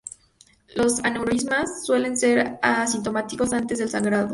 Los aneurismas suelen ser asintomáticos antes del sangrado.